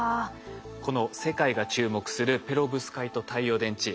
この世界が注目するペロブスカイト太陽電池。